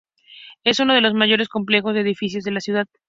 Es uno de los mayores complejos de edificios de la ciudad.